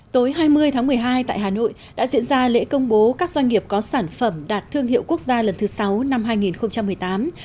tối hai mươi tháng một mươi hai tại hà nội đã diễn ra lễ công bố các doanh nghiệp có sản phẩm đạt thương hiệu quốc gia lần thứ sáu năm hai nghìn một mươi tám